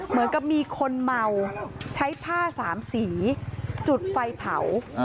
เหมือนกับมีคนเมาใช้ผ้าสามสีจุดไฟเผา